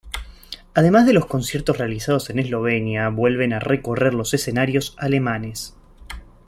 Además de los conciertos realizados en Eslovenia, vuelven a recorrer los escenarios alemanes.